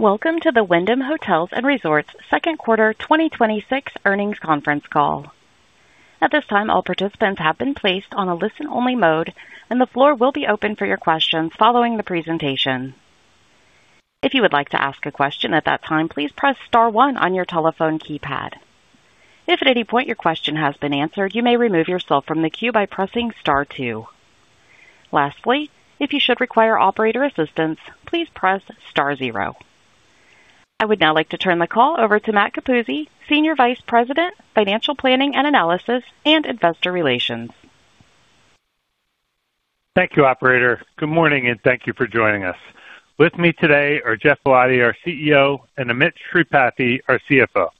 Welcome to the Wyndham Hotels & Resorts second quarter 2026 earnings conference call. At this time, all participants have been placed on a listen-only mode, and the floor will be open for your questions following the presentation. If you would like to ask a question at that time, please press star one on your telephone keypad. If at any point your question has been answered, you may remove yourself from the queue by pressing star two. Lastly, if you should require operator assistance, please press star zero. I would now like to turn the call over to Matt Capuzzi, Senior Vice President, Financial Planning and Analysis and Investor Relations. Thank you, operator. Good morning, and thank you for joining us. With me today are Geoff Ballotti, our CEO, and Amit Sripathi, our CFO.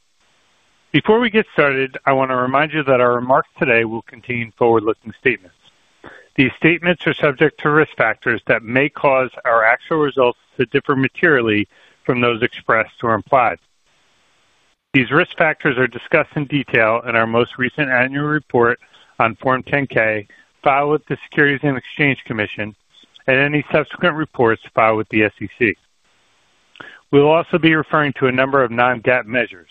Before we get started, I want to remind you that our remarks today will contain forward-looking statements. These statements are subject to risk factors that may cause our actual results to differ materially from those expressed or implied. These risk factors are discussed in detail in our most recent annual report on Form 10-K filed with the Securities and Exchange Commission and any subsequent reports filed with the SEC. We will also be referring to a number of non-GAAP measures.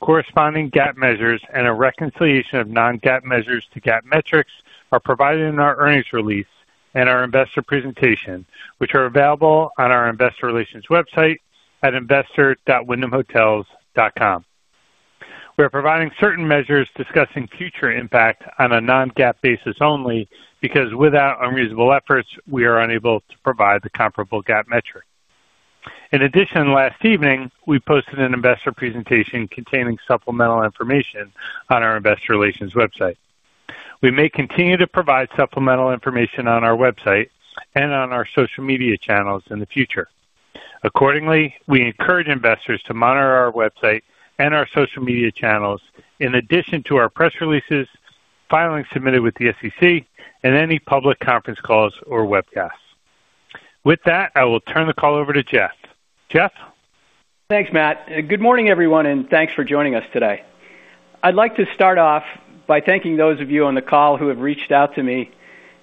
Corresponding GAAP measures and a reconciliation of non-GAAP measures to GAAP metrics are provided in our earnings release and our investor presentation, which are available on our investor relations website at investor.wyndhamhotels.com. We are providing certain measures discussing future impact on a non-GAAP basis only because without unreasonable efforts, we are unable to provide the comparable GAAP metric. In addition, last evening, we posted an investor presentation containing supplemental information on our investor relations website. We may continue to provide supplemental information on our website and on our social media channels in the future. Accordingly, we encourage investors to monitor our website and our social media channels in addition to our press releases, filings submitted with the SEC, and any public conference calls or webcasts. With that, I will turn the call over to Geoff. Geoff? Thanks, Matt. Good morning, everyone, and thanks for joining us today. I'd like to start off by thanking those of you on the call who have reached out to me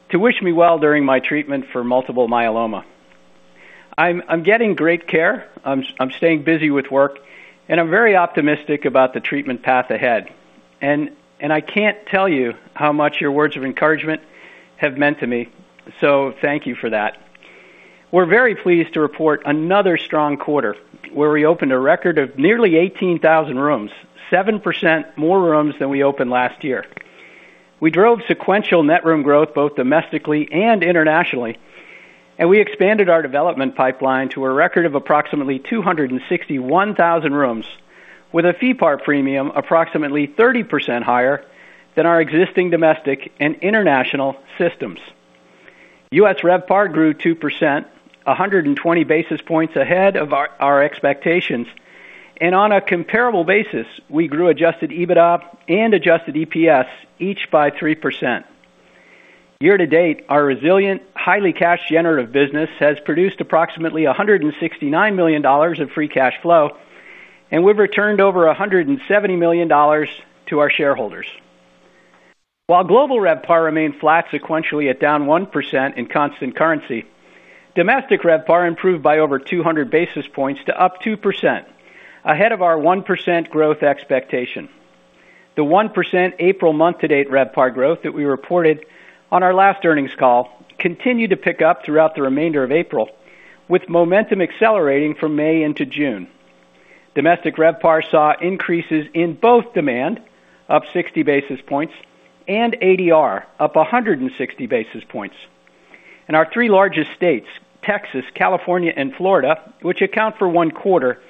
to wish me well during my treatment for multiple myeloma. I'm getting great care. I'm staying busy with work, and I'm very optimistic about the treatment path ahead. I can't tell you how much your words of encouragement have meant to me, so thank you for that. We're very pleased to report another strong quarter, where we opened a record of nearly 18,000 rooms, 7% more rooms than we opened last year. We drove sequential net room growth both domestically and internationally. We expanded our development pipeline to a record of approximately 261,000 rooms with a FeePAR premium approximately 30% higher than our existing domestic and international systems. U.S. RevPAR grew 2%, 120 basis points ahead of our expectations. On a comparable basis, we grew adjusted EBITDA and adjusted EPS each by 3%. Year-to-date, our resilient, highly cash generative business has produced approximately $169 million of free cash flow. We've returned over $170 million to our shareholders. While global RevPAR remained flat sequentially at down 1% in constant currency, domestic RevPAR improved by over 200 basis points to up 2%, ahead of our 1% growth expectation. The 1% April month-to-date RevPAR growth that we reported on our last earnings call continued to pick up throughout the remainder of April, with momentum accelerating from May into June. Domestic RevPAR saw increases in both demand, up 60 basis points, and ADR, up 160 basis points. In our three largest states, Texas, California, and Florida, which account for one quarter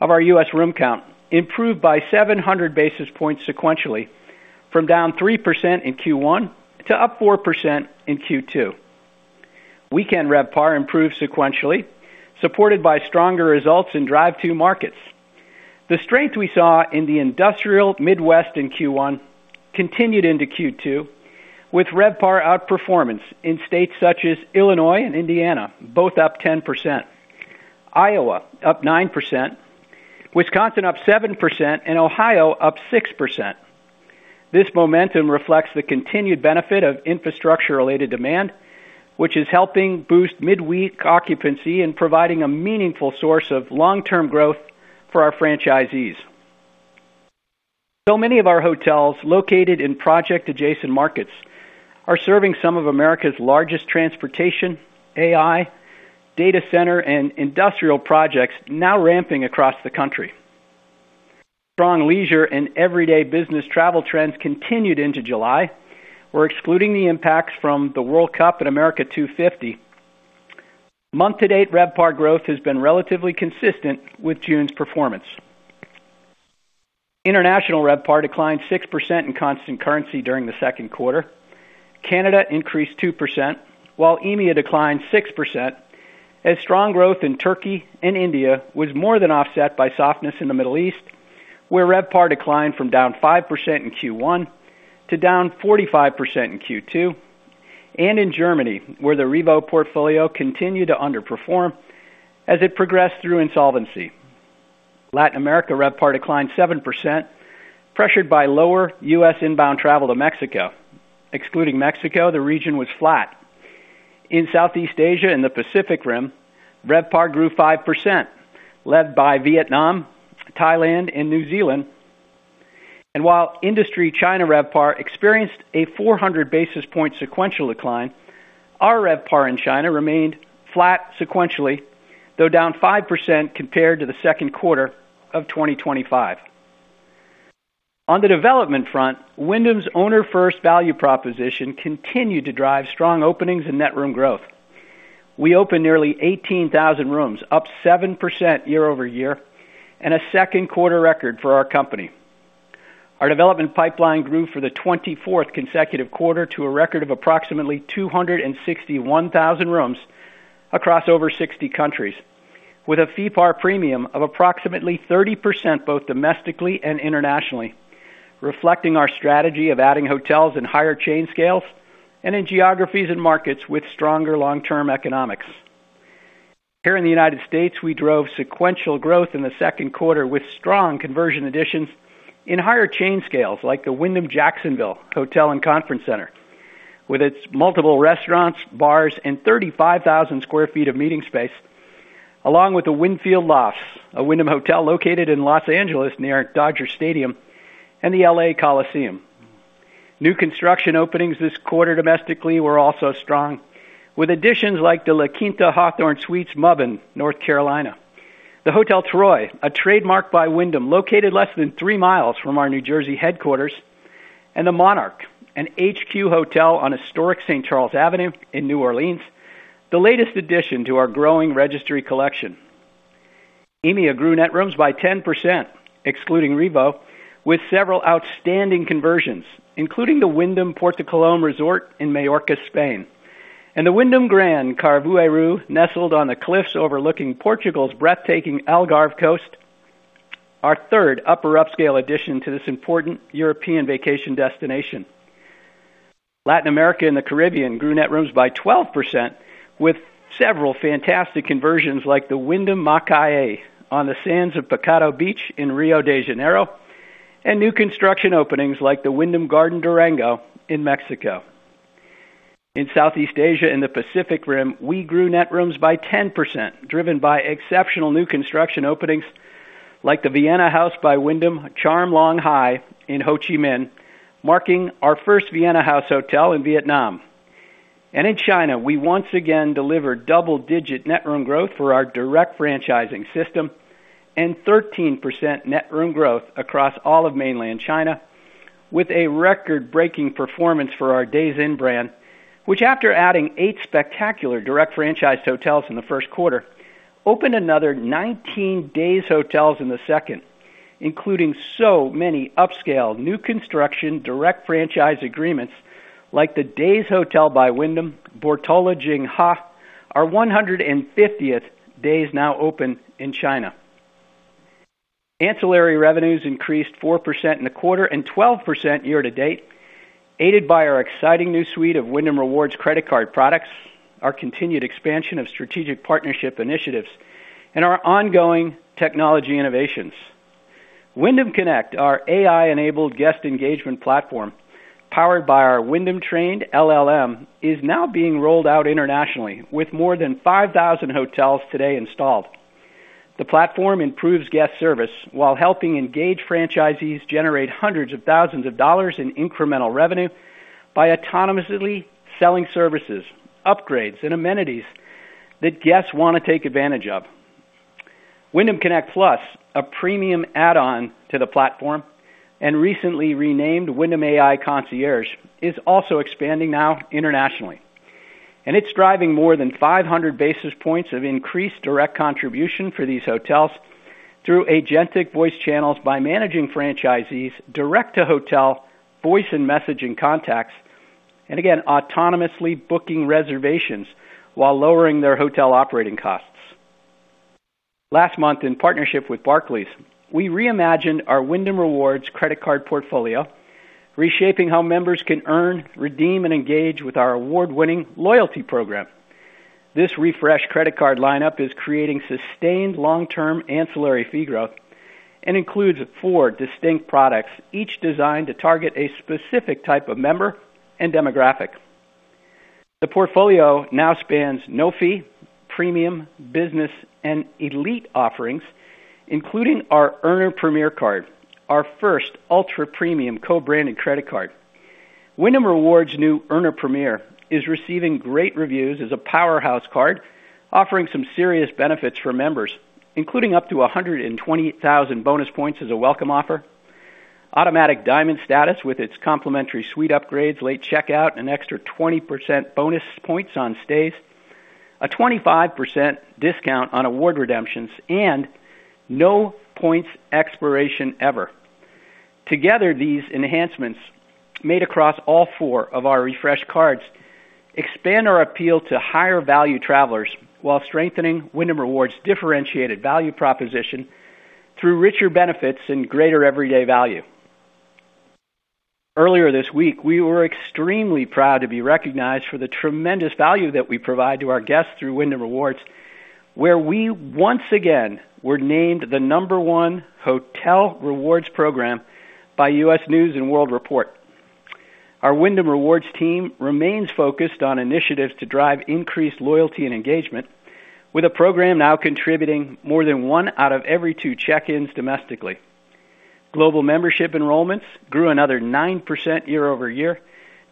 of our U.S. room count, improved by 700 basis points sequentially from down 3% in Q1 to up 4% in Q2. Weekend RevPAR improved sequentially, supported by stronger results in drive two markets. The strength we saw in the industrial Midwest in Q1 continued into Q2, with RevPAR outperformance in states such as Illinois and Indiana, both up 10%, Iowa up 9%, Wisconsin up 7%, and Ohio up 6%. This momentum reflects the continued benefit of infrastructure related demand, which is helping boost midweek occupancy and providing a meaningful source of long-term growth for our franchisees. Many of our hotels located in project adjacent markets are serving some of America's largest transportation, AI, data center, and industrial projects now ramping across the country. Strong leisure and everyday business travel trends continued into July. We're excluding the impacts from the World Cup and America 250. Month-to-date, RevPAR growth has been relatively consistent with June's performance. International RevPAR declined 6% in constant currency during the second quarter. Canada increased 2%, while EMEA declined 6%, as strong growth in Turkey and India was more than offset by softness in the Middle East, where RevPAR declined from down 5% in Q1 to down 45% in Q2, and in Germany, where the Revo portfolio continued to underperform as it progressed through insolvency. Latin America RevPAR declined 7%, pressured by lower U.S. inbound travel to Mexico. Excluding Mexico, the region was flat. In Southeast Asia and the Pacific Rim, RevPAR grew 5%, led by Vietnam, Thailand, and New Zealand. While industry China RevPAR experienced a 400 basis point sequential decline, our RevPAR in China remained flat sequentially, though down 5% compared to the second quarter of 2025. On the development front, Wyndham's owner first value proposition continued to drive strong openings and net room growth. We opened nearly 18,000 rooms, up 7% year-over-year, a second quarter record for our company. Our development pipeline grew for the 24th consecutive quarter to a record of approximately 261,000 rooms across over 60 countries, with a FeePAR premium of approximately 30%, both domestically and internationally, reflecting our strategy of adding hotels in higher chain scales and in geographies and markets with stronger long-term economics. In the United States, we drove sequential growth in the second quarter with strong conversion additions in higher chain scales, like the Wyndham Jacksonville Hotel and Conference Center, with its multiple restaurants, bars, and 35,000 sq ft of meeting space, along with The Winfield Lofts, a Wyndham Hotel located in Los Angeles near Dodger Stadium and the L.A. Coliseum. New construction openings this quarter domestically were also strong, with additions like the La Quinta Hawthorn Suites Mebane, North Carolina, the Hotel Troy, Trademark Collection by Wyndham, located less than three miles from our New Jersey headquarters, and The Monarch Hotel, HQ Collection on historic St. Charles Avenue in New Orleans, the latest addition to our growing Registry Collection. EMEA grew net rooms by 10%, excluding Revo, with several outstanding conversions, including the Wyndham Portocolom Resort in Mallorca, Spain, and the Wyndham Grand Carvoeiro, nestled on the cliffs overlooking Portugal's breathtaking Algarve coast, our third upper upscale addition to this important European vacation destination. Latin America and the Caribbean grew net rooms by 12%, with several fantastic conversions like the Wyndham Macaé on the sands of Praia da Piedade in Rio de Janeiro, and new construction openings like the Wyndham Garden Durango in Mexico. In Southeast Asia and the Pacific Rim, we grew net rooms by 10%, driven by exceptional new construction openings like the Vienna House by Wyndham Charm Long Hai in Ho Chi Minh, marking our first Vienna House hotel in Vietnam. In China, we once again delivered double-digit net room growth for our direct franchising system and 13% net room growth across all of mainland China with a record-breaking performance for our Days Inn brand, which, after adding eight spectacular direct franchise hotels in the first quarter, opened another 19 Days Hotels in the second, including so many upscale new construction direct franchise agreements like the Days Hotel by Wyndham Bortala Jinghe, our 150th Days now open in China. Ancillary revenues increased 4% in the quarter and 12% year-to-date, aided by our exciting new suite of Wyndham Rewards credit card products, our continued expansion of strategic partnership initiatives, and our ongoing technology innovations. Wyndham Connect, our AI-enabled guest engagement platform powered by our Wyndham trained LLM, is now being rolled out internationally with more than 5,000 hotels today installed. The platform improves guest service while helping engaged franchisees generate hundreds of thousands of dollars in incremental revenue by autonomously selling services, upgrades, and amenities that guests want to take advantage of. Wyndham Connect PLUS, a premium add-on to the platform and recently renamed Wyndham AI Concierge, is also expanding now internationally, and it's driving more than 500 basis points of increased direct contribution for these hotels through agentic voice channels by managing franchisees direct to hotel voice and messaging contacts, and again, autonomously booking reservations while lowering their hotel operating costs. Last month, in partnership with Barclays, we reimagined our Wyndham Rewards credit card portfolio, reshaping how members can earn, redeem, and engage with our award-winning loyalty program. This refreshed credit card lineup is creating sustained long-term ancillary fee growth and includes four distinct products, each designed to target a specific type of member and demographic. The portfolio now spans no-fee, premium, business, and elite offerings, including our Earner Premier card, our first ultra-premium co-branded credit card. Wyndham Rewards' new Earner Premier is receiving great reviews as a powerhouse card, offering some serious benefits for members, including up to 120,000 bonus points as a welcome offer, automatic Diamond status with its complimentary suite upgrades, late checkout, an extra 20% bonus points on stays, a 25% discount on award redemptions, and no points expiration ever. Together, these enhancements made across all four of our refreshed cards expand our appeal to higher value travelers while strengthening Wyndham Rewards' differentiated value proposition through richer benefits and greater everyday value. Earlier this week, we were extremely proud to be recognized for the tremendous value that we provide to our guests through Wyndham Rewards, where we once again were named the number one hotel rewards program by U.S. News & World Report. Our Wyndham Rewards team remains focused on initiatives to drive increased loyalty and engagement, with a program now contributing more than one out of every two check-ins domestically. Global membership enrollments grew another 9% year-over-year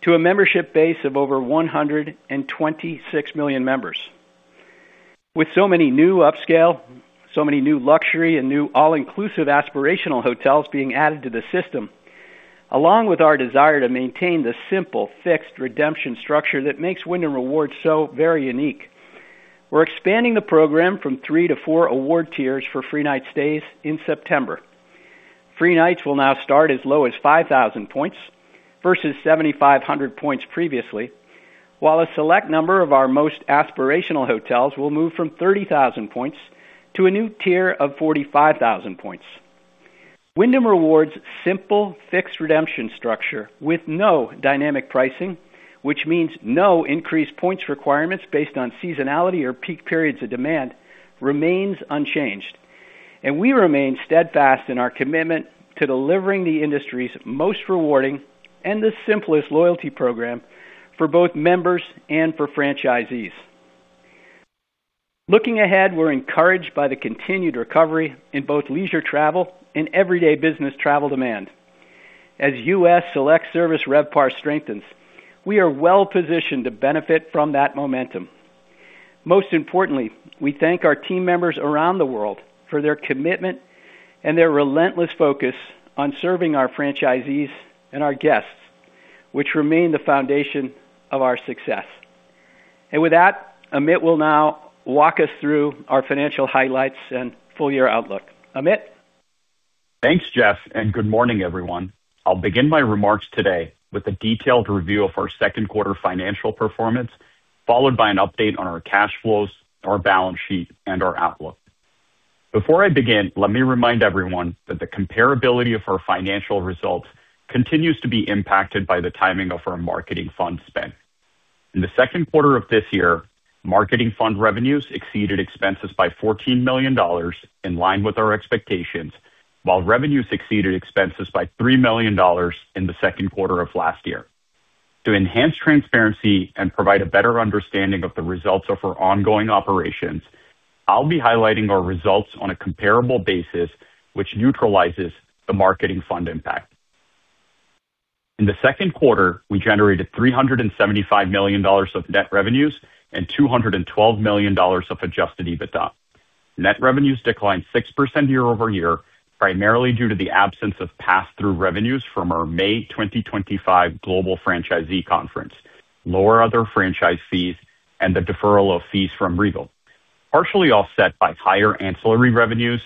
to a membership base of over 126 million members. With so many new upscale, so many new luxury, and new all-inclusive aspirational hotels being added to the system, along with our desire to maintain the simple, fixed redemption structure that makes Wyndham Rewards so very unique, we're expanding the program from three to four award tiers for free night stays in September. Free nights will now start as low as 5,000 points versus 7,500 points previously, while a select number of our most aspirational hotels will move from 30,000 points to a new tier of 45,000 points. Wyndham Rewards' simple fixed redemption structure with no dynamic pricing, which means no increased points requirements based on seasonality or peak periods of demand, remains unchanged, and we remain steadfast in our commitment to delivering the industry's most rewarding and the simplest loyalty program for both members and for franchisees. Looking ahead, we're encouraged by the continued recovery in both leisure travel and everyday business travel demand. As U.S. select service RevPAR strengthens, we are well positioned to benefit from that momentum. Most importantly, we thank our team members around the world for their commitment and their relentless focus on serving our franchisees and our guests, which remain the foundation of our success. With that, Amit will now walk us through our financial highlights and full year outlook. Amit? Thanks, Geoff. Good morning, everyone. I'll begin my remarks today with a detailed review of our second quarter financial performance, followed by an update on our cash flows, our balance sheet, and our outlook. Before I begin, let me remind everyone that the comparability of our financial results continues to be impacted by the timing of our marketing fund spend. In the second quarter of this year, marketing fund revenues exceeded expenses by $14 million, in line with our expectations, while revenues exceeded expenses by $3 million in the second quarter of last year. To enhance transparency and provide a better understanding of the results of our ongoing operations, I'll be highlighting our results on a comparable basis, which neutralizes the marketing fund impact. In the second quarter, we generated $375 million of net revenues and $212 million of adjusted EBITDA. Net revenues declined 6% year-over-year, primarily due to the absence of pass-through revenues from our May 2025 global franchisee conference, lower other franchise fees, and the deferral of fees from Revo. Partially offset by higher ancillary revenues,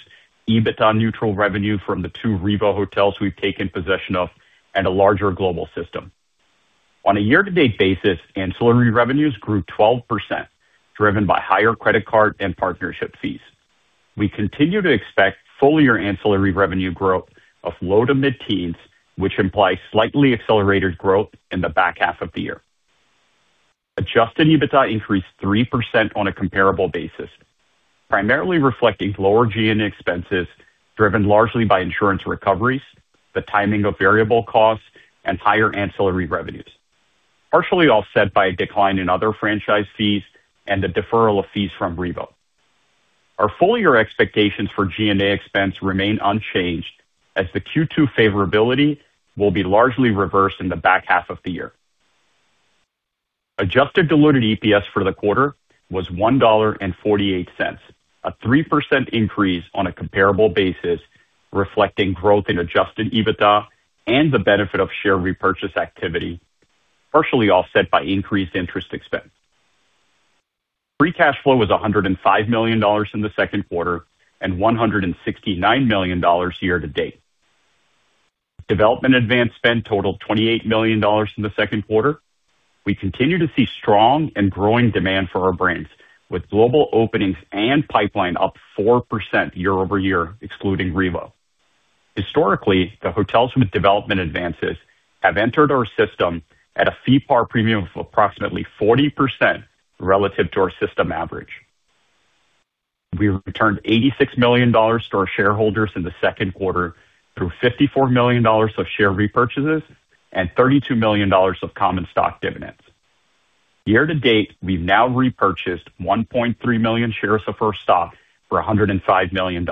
EBITDA neutral revenue from the two Revo hotels we've taken possession of and a larger global system. On a year-to-date basis, ancillary revenues grew 12%, driven by higher credit card and partnership fees. We continue to expect full-year ancillary revenue growth of low to mid-teens, which implies slightly accelerated growth in the back half of the year. Adjusted EBITDA increased 3% on a comparable basis, primarily reflecting lower G&A expenses driven largely by insurance recoveries, the timing of variable costs, and higher ancillary revenues. Partially offset by a decline in other franchise fees and the deferral of fees from Revo. Our full-year expectations for G&A expense remain unchanged, as the Q2 favorability will be largely reversed in the back half of the year. Adjusted diluted EPS for the quarter was $1.48, a 3% increase on a comparable basis, reflecting growth in adjusted EBITDA and the benefit of share repurchase activity, partially offset by increased interest expense. Free cash flow was $105 million in the second quarter and $169 million year-to-date. Development advance spend totaled $28 million in the second quarter. We continue to see strong and growing demand for our brands, with global openings and pipeline up 4% year-over-year, excluding Revo. Historically, the hotels with development advances have entered our system at a FeePAR premium of approximately 40% relative to our system average. We returned $86 million to our shareholders in the second quarter through $54 million of share repurchases and $32 million of common stock dividends. Year-to-date, we've now repurchased 1.3 million shares of our stock for $105 million.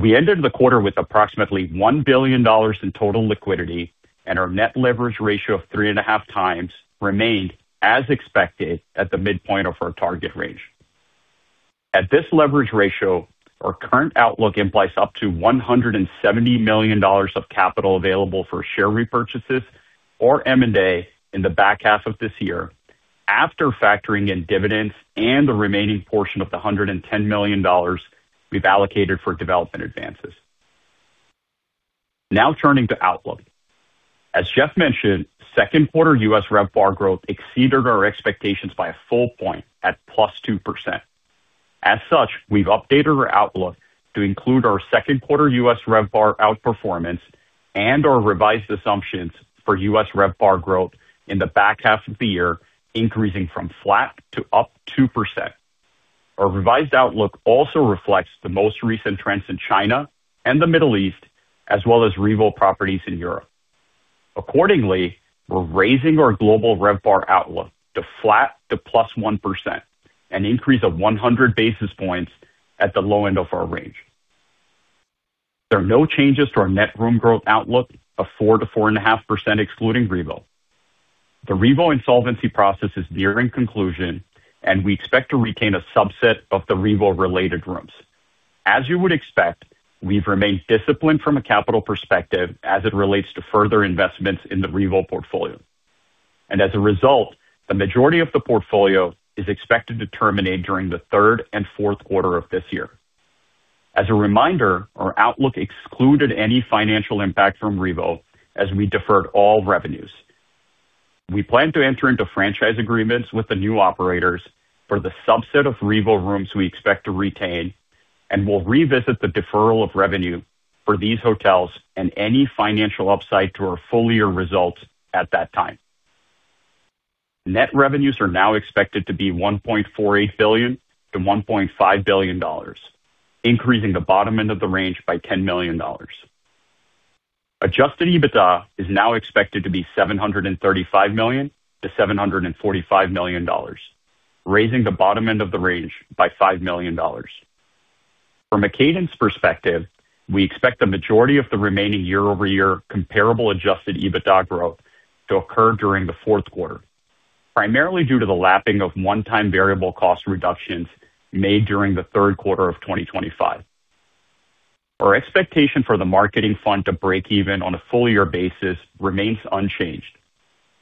We ended the quarter with approximately $1 billion in total liquidity, and our net leverage ratio of 3.5x remained, as expected, at the midpoint of our target range. At this leverage ratio, our current outlook implies up to $170 million of capital available for share repurchases or M&A in the back half of this year after factoring in dividends and the remaining portion of the $110 million we've allocated for development advances. Now turning to outlook. As Geoff mentioned, second quarter U.S. RevPAR growth exceeded our expectations by a full point at +2%. As such, we've updated our outlook to include our second quarter U.S. RevPAR outperformance and our revised assumptions for U.S. RevPAR growth in the back half of the year, increasing from flat to up 2%. Our revised outlook also reflects the most recent trends in China and the Middle East, as well as Revo properties in Europe. Accordingly, we are raising our global RevPAR outlook to flat to +1%, an increase of 100 basis points at the low end of our range. There are no changes to our net room growth outlook of 4%-4.5%, excluding Revo. The Revo insolvency process is nearing conclusion, and we expect to retain a subset of the Revo-related rooms. As you would expect, we have remained disciplined from a capital perspective as it relates to further investments in the Revo portfolio. As a result, the majority of the portfolio is expected to terminate during the third and fourth quarter of this year. As a reminder, our outlook excluded any financial impact from Revo as we deferred all revenues. We plan to enter into franchise agreements with the new operators for the subset of Revo rooms we expect to retain, and we will revisit the deferral of revenue for these hotels and any financial upside to our full-year results at that time. Net revenues are now expected to be $1.48 billion-$1.5 billion, increasing the bottom end of the range by $10 million. Adjusted EBITDA is now expected to be $735 million-$745 million, raising the bottom end of the range by $5 million. From a cadence perspective, we expect the majority of the remaining year-over-year comparable adjusted EBITDA growth to occur during the fourth quarter, primarily due to the lapping of one-time variable cost reductions made during the third quarter of 2025. Our expectation for the marketing fund to break even on a full-year basis remains unchanged.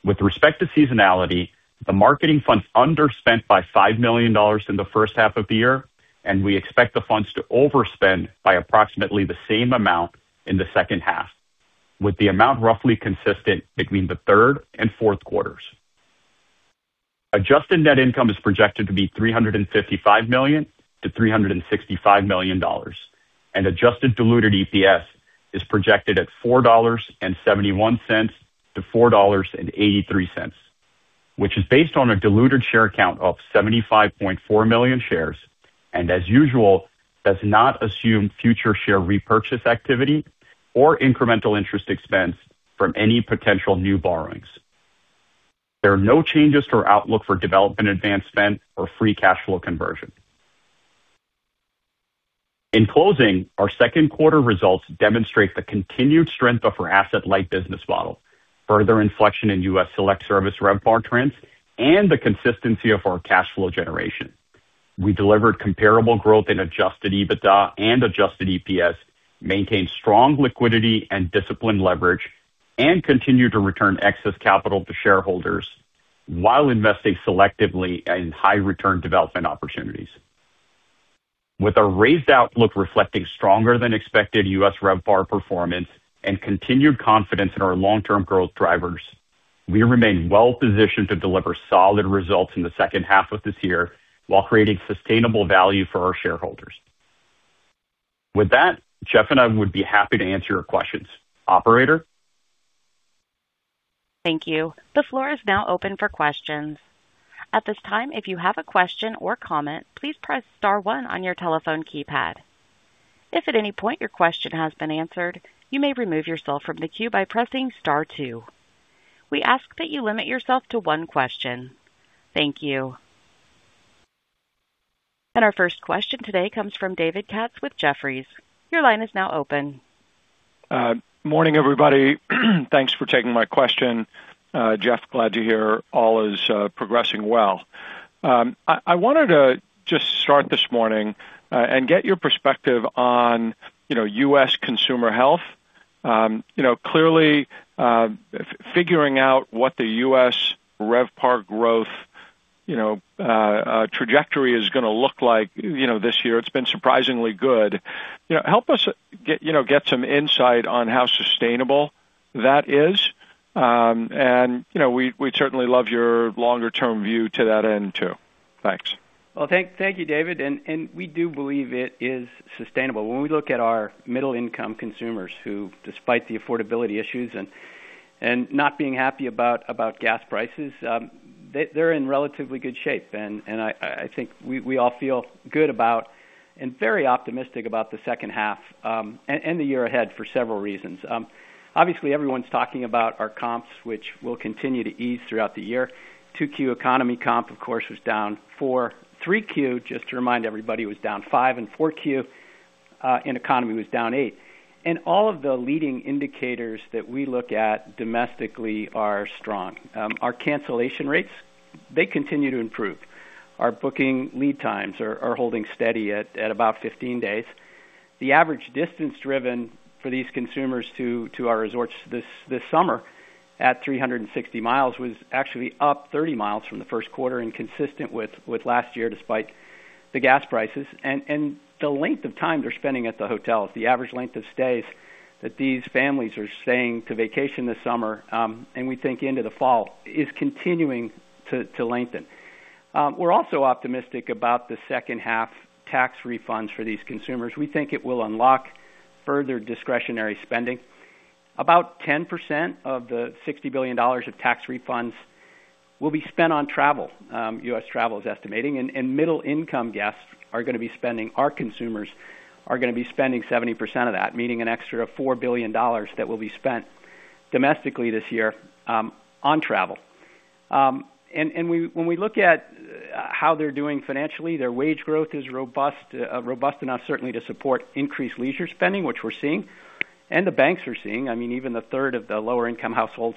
With respect to seasonality, the marketing fund underspent by $5 million in the first half of the year, and we expect the funds to overspend by approximately the same amount in the second half, with the amount roughly consistent between the third and fourth quarters. Adjusted net income is projected to be $355 million-$365 million, and adjusted diluted EPS is projected at $4.71-$4.83, which is based on a diluted share count of 75.4 million shares, and as usual, does not assume future share repurchase activity or incremental interest expense from any potential new borrowings. There are no changes to our outlook for development advance spend or free cash flow conversion. In closing, our second quarter results demonstrate the continued strength of our asset-light business model, further inflection in U.S. select service RevPAR trends, and the consistency of our cash flow generation. We delivered comparable growth in adjusted EBITDA and adjusted EPS, maintained strong liquidity and disciplined leverage, and continued to return excess capital to shareholders while investing selectively in high-return development opportunities. With our raised outlook reflecting stronger than expected U.S. RevPAR performance and continued confidence in our long-term growth drivers, we remain well positioned to deliver solid results in the second half of this year while creating sustainable value for our shareholders. With that, Geoff and I would be happy to answer your questions. Operator? Thank you. The floor is now open for questions. At this time, if you have a question or comment, please press star one on your telephone keypad. If at any point your question has been answered, you may remove yourself from the queue by pressing star two. We ask that you limit yourself to one question. Thank you. Our first question today comes from David Katz with Jefferies. Your line is now open. Morning, everybody. Thanks for taking my question. Geoff, glad to hear all is progressing well. I wanted to just start this morning and get your perspective on U.S. consumer health. Clearly, figuring out what the U.S. RevPAR growth trajectory is going to look like this year, it's been surprisingly good. Help us get some insight on how sustainable that is. We'd certainly love your longer-term view to that end, too. Thanks. Well, thank you, David. We do believe it is sustainable. When we look at our middle-income consumers who, despite the affordability issues and not being happy about gas prices, they're in relatively good shape. I think we all feel good about and very optimistic about the second half and the year ahead for several reasons. Obviously, everyone's talking about our comps, which will continue to ease throughout the year. 2Q economy comp, of course, was down four. 3Q, just to remind everybody, was down five. 4Q in economy was down eight. All of the leading indicators that we look at domestically are strong. Our cancellation rates, they continue to improve. Our booking lead times are holding steady at about 15 days. The average distance driven for these consumers to our resorts this summer at 360 mi was actually up 30 mi from the first quarter and consistent with last year despite the gas prices. The length of time they're spending at the hotels, the average length of stays that these families are staying to vacation this summer, and we think into the fall, is continuing to lengthen. We're also optimistic about the second half tax refunds for these consumers. We think it will unlock Further discretionary spending. About 10% of the $60 billion of tax refunds will be spent on travel. U.S. Travel is estimating our consumers are going to be spending 70% of that, meaning an extra $4 billion that will be spent domestically this year on travel. When we look at how they're doing financially, their wage growth is robust enough certainly to support increased leisure spending, which we're seeing and the banks are seeing. Even one-third of the lower income households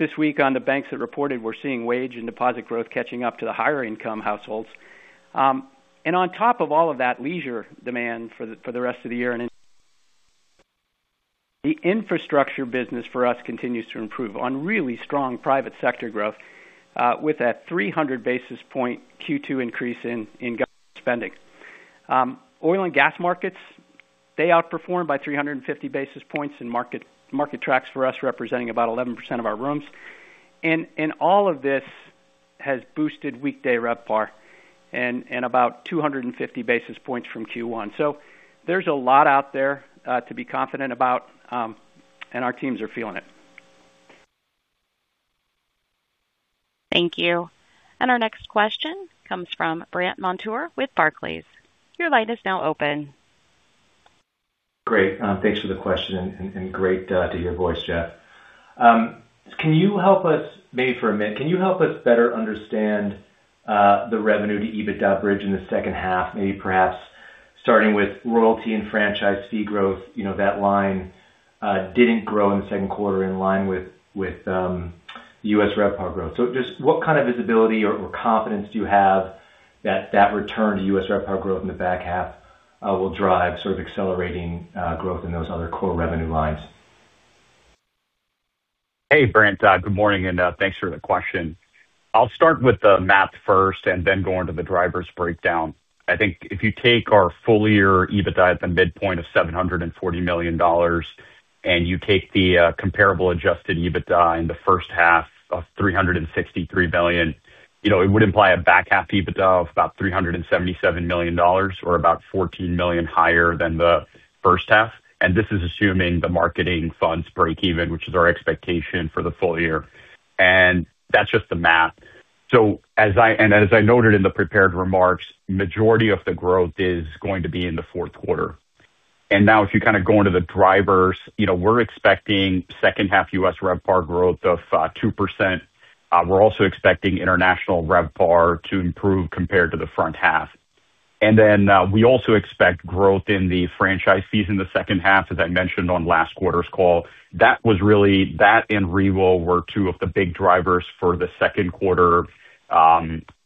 this week on the banks that reported we're seeing wage and deposit growth catching up to the higher income households. On top of all of that leisure demand for the rest of the year and the infrastructure business for us continues to improve on really strong private sector growth, with that 300 basis point Q2 increase in government spending. Oil and gas markets, they outperformed by 350 basis points in market tracks for us, representing about 11% of our rooms. All of this has boosted weekday RevPAR and about 250 basis points from Q1. There's a lot out there to be confident about and our teams are feeling it. Thank you. Our next question comes from Brandt Montour with Barclays. Your line is now open. Great. Thanks for the question and great to hear your voice, Geoff. Can you help us, maybe for a minute, can you help us better understand the revenue to EBITDA bridge in the second half, maybe perhaps starting with royalty and franchise fee growth? That line didn't grow in the second quarter in line with U.S. RevPAR growth. Just what kind of visibility or confidence do you have that return to U.S. RevPAR growth in the back half will drive sort of accelerating growth in those other core revenue lines? Hey, Brandt. Good morning, thanks for the question. I'll start with the math first, then go into the drivers breakdown. I think if you take our full year EBITDA at the midpoint of $740 million, you take the comparable adjusted EBITDA in the first half of $363 million. It would imply a back half EBITDA of about $377 million, or about $14 million higher than the first half. This is assuming the marketing funds break even, which is our expectation for the full year. That's just the math. As I noted in the prepared remarks, majority of the growth is going to be in the fourth quarter. Now if you go into the drivers, we're expecting second half U.S. RevPAR growth of 2%. We're also expecting international RevPAR to improve compared to the front half. We also expect growth in the franchise fees in the second half, as I mentioned on last quarter's call. That and Revo were two of the big drivers for the second quarter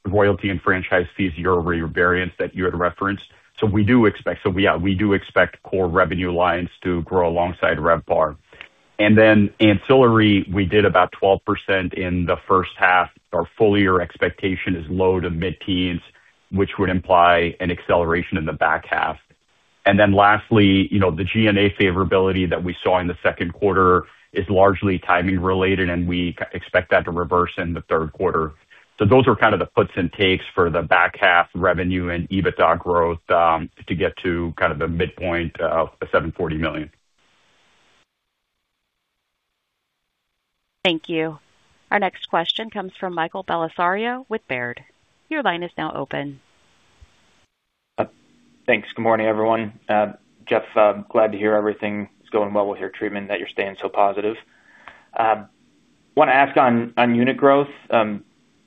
royalty and franchise fees year-over-year variance that you had referenced. We do expect core revenue lines to grow alongside RevPAR. Ancillary, we did about 12% in the first half. Our full year expectation is low to mid-teens, which would imply an acceleration in the back half. Lastly, the G&A favorability that we saw in the second quarter is largely timing related, and we expect that to reverse in the third quarter. Those are kind of the puts and takes for the back half revenue and EBITDA growth to get to kind of the midpoint of the $740 million. Thank you. Our next question comes from Michael Bellisario with Baird. Your line is now open. Thanks. Good morning, everyone. Geoff, glad to hear everything is going well with your treatment, that you're staying so positive. I want to ask on unit growth.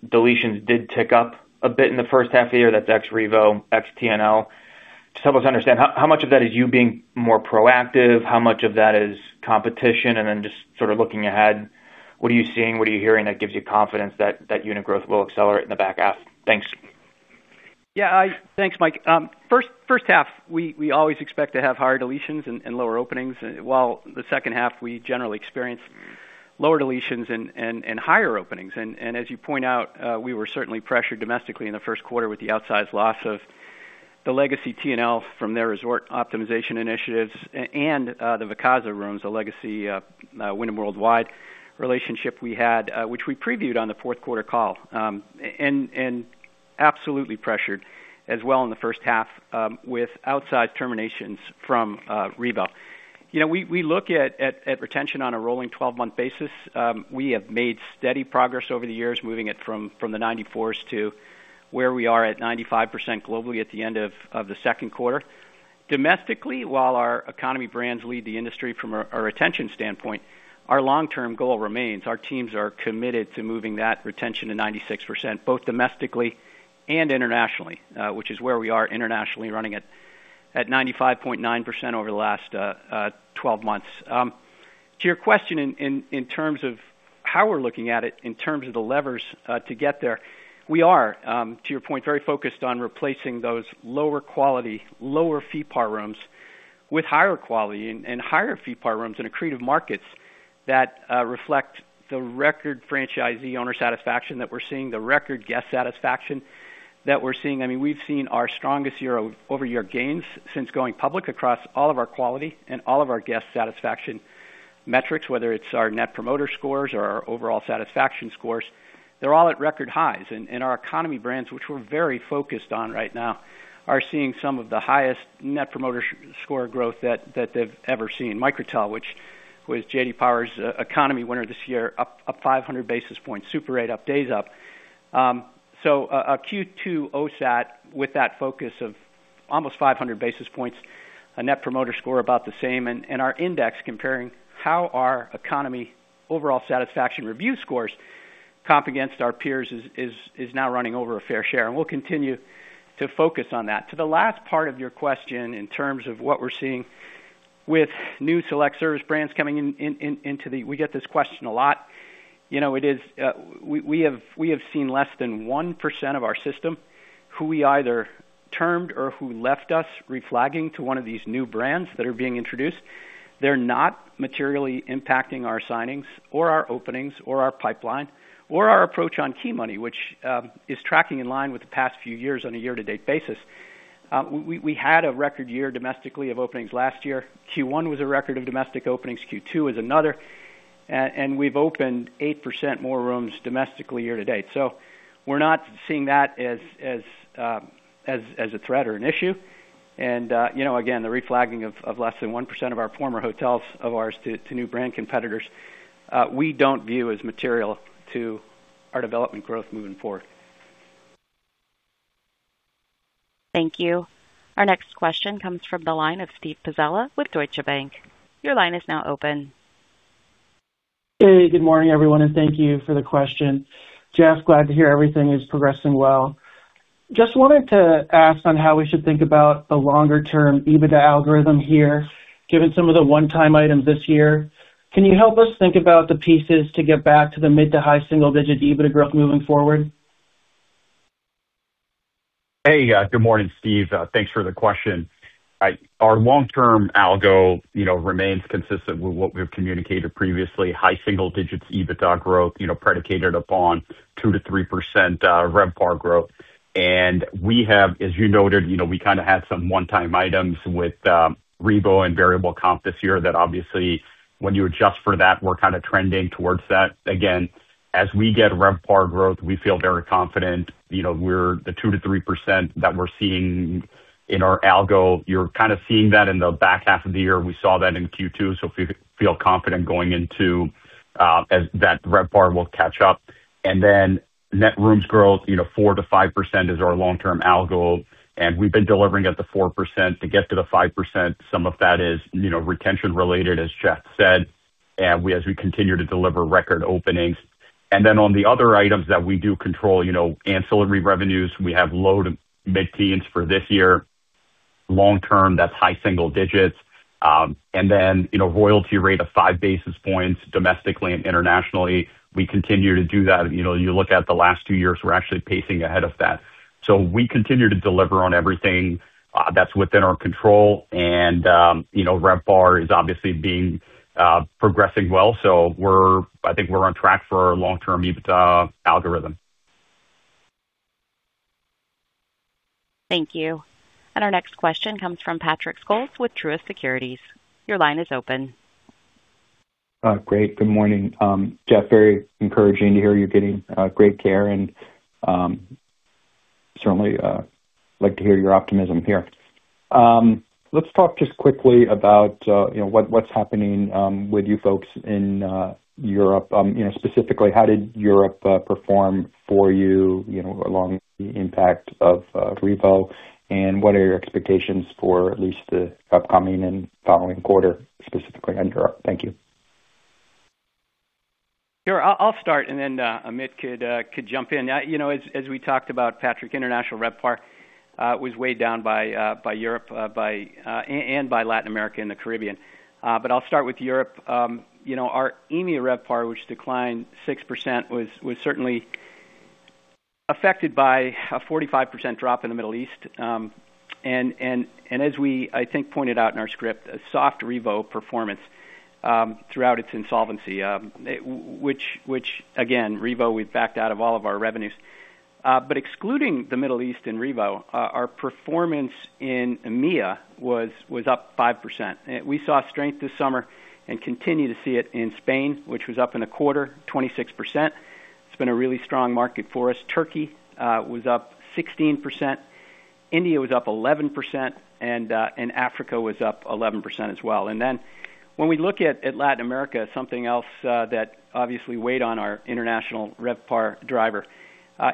Deletions did tick up a bit in the first half of the year. That's ex-Revo, ex-TNL. Just help us understand, how much of that is you being more proactive? How much of that is competition? Just sort of looking ahead, what are you seeing? What are you hearing that gives you confidence that unit growth will accelerate in the back half? Thanks. Thanks, Mike. First half, we always expect to have higher deletions and lower openings, while the second half we generally experience lower deletions and higher openings. As you point out, we were certainly pressured domestically in the first quarter with the outsized loss of the legacy TNL from their resort optimization initiatives and the Vicasa rooms, a legacy Wyndham Worldwide relationship we had, which we previewed on the fourth quarter call. Absolutely pressured as well in the first half with outsized terminations from Revo. We look at retention on a rolling 12-month basis. We have made steady progress over the years, moving it from the 94%s to where we are at 95% globally at the end of the second quarter. Domestically, while our economy brands lead the industry from a retention standpoint, our long-term goal remains, our teams are committed to moving that retention to 96%, both domestically and internationally, which is where we are internationally running at 95.9% over the last 12 months. To your question in terms of how we're looking at it in terms of the levers to get there, we are, to your point, very focused on replacing those lower quality, lower FeePAR rooms with higher quality and higher FeePAR rooms in accretive markets that reflect the record franchisee owner satisfaction that we're seeing, the record guest satisfaction that we're seeing. We've seen our strongest year-over-year gains since going public across all of our quality and all of our guest satisfaction metrics, whether it's our Net Promoter Scores or our Overall Satisfaction Scores, they're all at record highs. Our economy brands, which we're very focused on right now, are seeing some of the highest Net Promoter Score growth that they've ever seen. Microtel, which was J.D. Power's economy winner this year, up 500 basis points. Super 8 up, Days Inn up. So Q2 OSAT with that focus of almost 500 basis points, a Net Promoter Score about the same. Our index comparing how our economy Overall Satisfaction Review Scores comp against our peers is now running over a fair share, and we'll continue to focus on that. To the last part of your question in terms of what we're seeing with new select service brands. We get this question a lot. We have seen less than 1% of our system who we either termed or who left us reflagging to one of these new brands that are being introduced. They're not materially impacting our signings, or our openings, or our pipeline, or our approach on key money, which is tracking in line with the past few years on a year-to-date basis. We had a record year domestically of openings last year. Q1 was a record of domestic openings, Q2 is another, and we've opened 8% more rooms domestically year-to-date. We're not seeing that as a threat or an issue. Again, the reflagging of less than 1% of our former hotels of ours to new brand competitors, we don't view as material to our development growth moving forward. Thank you. Our next question comes from the line of Steve Pizzella with Deutsche Bank. Your line is now open. Hey, good morning, everyone, and thank you for the question. Geoff, glad to hear everything is progressing well. Just wanted to ask on how we should think about the longer term EBITDA algorithm here, given some of the one-time items this year. Can you help us think about the pieces to get back to the mid to high single-digit EBITDA growth moving forward? Hey, good morning, Steve. Thanks for the question. Our long-term algo remains consistent with what we've communicated previously. High single digits EBITDA growth, predicated upon 2%-3% RevPAR growth. As you noted, we kind of had some one-time items with Revo and variable comp this year that obviously, when you adjust for that, we're kind of trending towards that. Again, as we get RevPAR growth, we feel very confident. The 2%-3% that we're seeing in our algo, you're kind of seeing that in the back half of the year. We saw that in Q2. Feel confident going into as that RevPAR will catch up. Net rooms growth, 4%-5% is our long-term algo, and we've been delivering at the 4%. To get to the 5%, some of that is retention related, as Geoff said, as we continue to deliver record openings. On the other items that we do control, ancillary revenues, we have low- to mid-teens for this year. Long-term, that's high single digits. Royalty rate of five basis points domestically and internationally. We continue to do that. You look at the last two years, we're actually pacing ahead of that. We continue to deliver on everything that's within our control, and RevPAR is obviously progressing well. I think we're on track for our long-term EBITDA algorithm. Thank you. Our next question comes from Patrick Scholes with Truist Securities. Your line is open. Great. Good morning. Geoff, very encouraging to hear you're getting great care, and certainly like to hear your optimism here. Let's talk just quickly about what's happening with you folks in Europe. Specifically, how did Europe perform for you along the impact of Revo, and what are your expectations for at least the upcoming and following quarter, specifically under Revo? Thank you. Sure. I'll start, and then Amit could jump in. As we talked about, Patrick, international RevPAR was weighed down by Europe and by Latin America and the Caribbean. I'll start with Europe. Our EMEA RevPAR, which declined 6%, was certainly affected by a 45% drop in the Middle East. As we, I think, pointed out in our script, a soft Revo performance throughout its insolvency. Which again, Revo, we backed out of all of our revenues. Excluding the Middle East and Revo, our performance in EMEA was up 5%. We saw strength this summer and continue to see it in Spain, which was up in a quarter 26%. It's been a really strong market for us. Turkey was up 16%, India was up 11%, and Africa was up 11% as well. Then when we look at Latin America, something else that obviously weighed on our international RevPAR driver,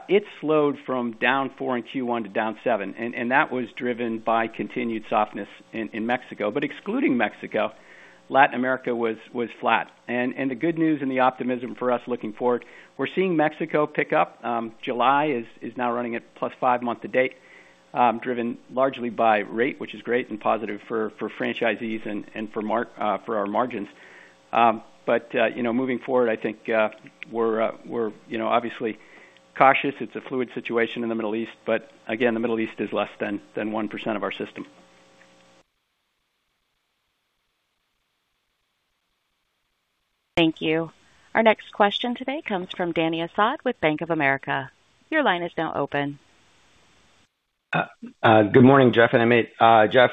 it slowed from down four in Q1 to down seven, and that was driven by continued softness in Mexico. Excluding Mexico, Latin America was flat. The good news and the optimism for us looking forward, we're seeing Mexico pick up. July is now running at plus five month to date, driven largely by rate, which is great and positive for franchisees and for our margins. Moving forward, I think we're obviously cautious. It's a fluid situation in the Middle East, but again, the Middle East is less than 1% of our system. Thank you. Our next question today comes from Dany Asad with Bank of America. Your line is now open. Good morning, Geoff and Amit. Geoff,